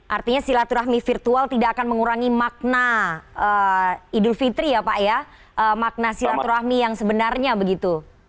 artinya silaturahmi virtual tidak akan mengurangi makna idul fitri ya pak ya makna silaturahmi yang sebenarnya begitu